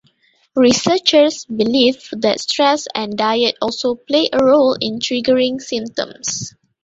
Researchers believe that stress and diet also play a role in triggering symptoms.